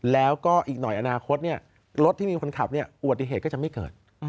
แล้วก็อีกหน่อยอนาคตรถที่มีคนขับอุบัติเหตุก็จะไม่เกิด